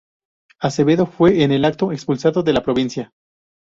Acevedo fue en el acto expulsado de la provincia.